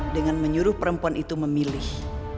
dengan menyuruh perempuan itu memilih